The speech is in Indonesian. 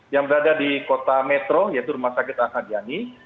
yang berada di kota metro yaitu rumah sakit akadiani